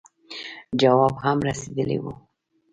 جواب هم رسېدلی وو.